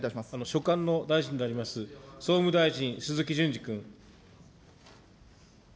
所管の大臣であります、総務大臣、鈴木淳司君。